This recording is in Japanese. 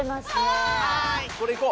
これいこう！